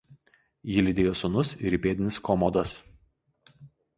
Jį lydėjo sūnus ir įpėdinis Komodas.